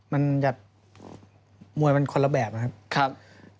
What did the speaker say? มันจะมวยมันคนละแบบนะครับ